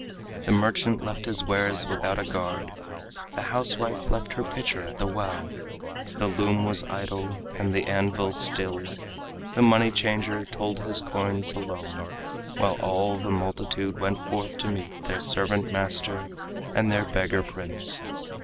The merchant left his wares without a guard; The housewife left her pitcher at the well; The loom was idle and the anvil still; The money changer told his coins alone, While all the multitude went forth to meet Their servant master and their beggar prince.